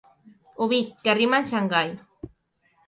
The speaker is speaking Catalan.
Òvid que rima amb Xangai.